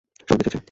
সবাই বেঁচে আছে?